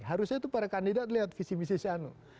harusnya itu para kandidat lihat visi misi siapa